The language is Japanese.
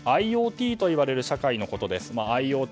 ＩｏＴといわれる社会のことです。